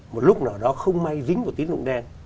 một lúc nào đó không may dính của tín dụng đen